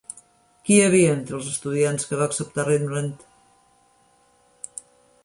Qui hi havia entre els estudiants que va acceptar Rembrandt?